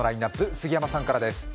杉山さんからです。